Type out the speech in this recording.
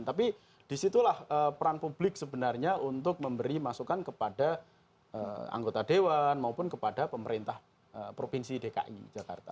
tapi disitulah peran publik sebenarnya untuk memberi masukan kepada anggota dewan maupun kepada pemerintah provinsi dki jakarta